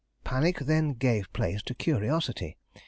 "Panic then gave place to curiosity.